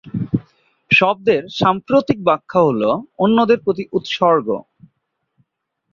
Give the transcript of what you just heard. শব্দের সাম্প্রতিক ব্যাখ্যা হল "অন্যদের প্রতি উৎসর্গ"।